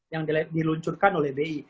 yang diluncurkan oleh bi